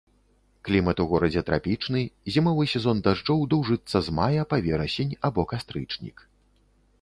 Клімат у горадзе трапічны, зімовы сезон дажджоў доўжыцца з мая па верасень або кастрычнік.